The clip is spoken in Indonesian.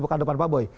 bukan depan pak boy